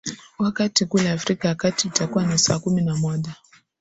wakati kule afrika ya kati itakuwa ni saa kumi na moja